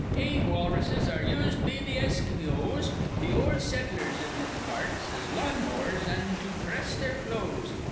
Tame walruses are used be th' Eskeemyoos, th' old settlers iv thim parts, as lawnmowers an' to press their clothes.